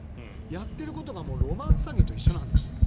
やってることがロマンス詐欺と一緒なんです。